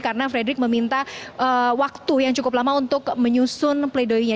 karena fredrik meminta waktu yang cukup lama untuk menyusun pleidoyenya